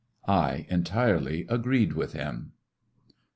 I entirely agreed with him.